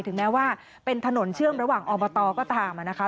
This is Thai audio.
แม้ว่าเป็นถนนเชื่อมระหว่างอบตก็ตามนะคะ